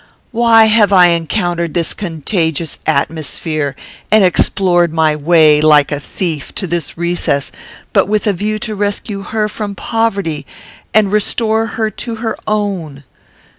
Why have I encountered this contagious atmosphere, and explored my way, like a thief, to this recess, but with a view to rescue her from poverty and restore to her her own?